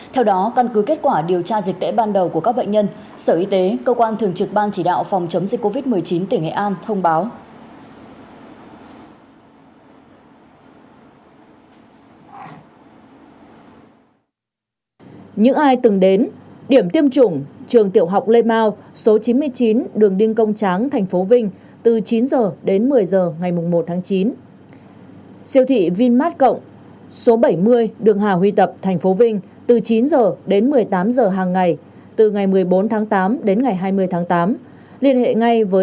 theo đó căn cứ kết quả điều tra dịch tễ ban đầu của các bệnh nhân sở y tế cơ quan thường trực ban chỉ đạo phòng chống dịch covid một mươi chín tỉnh nghệ an thông báo